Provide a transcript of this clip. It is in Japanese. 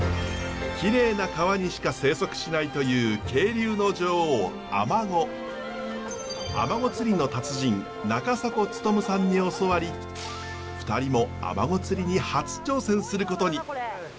きれいな川にしか生息しないというアマゴ釣りの達人中迫勉さんに教わり２人もアマゴ釣りに初挑戦することに。